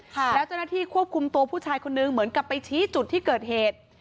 แล้วเจ้าหน้าที่ควบคุมตัวผู้ชายคนนึงเหมือนกับไปชี้จุดที่เกิดเหตุ